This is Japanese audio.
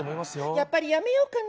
やっぱりやめようかな。